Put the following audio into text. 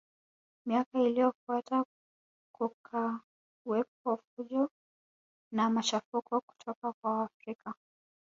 Miaka iliyofuata kukawepo fujo na machafuko kutoka kwa Waafrika